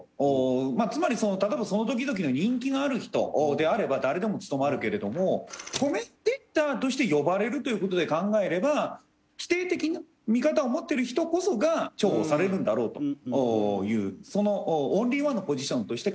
まあつまり例えばその時々の人気がある人であれば誰でも務まるけれどもコメンテーターとして呼ばれるという事で考えれば否定的な見方を持ってる人こそが重宝されるんだろうというそのオンリーワンのポジションとして考え